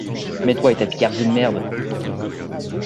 Mais toi et ta Picardie de merde.